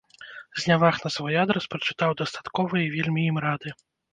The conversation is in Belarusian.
Зняваг на свой адрас прачытаў дастаткова і вельмі ім рады.